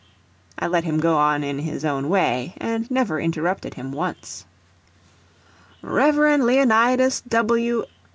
I let him go on in his own way, and never interrupted him once. "Rev. Leonidas W.